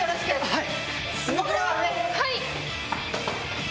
はい！